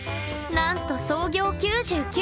なんと創業９９年！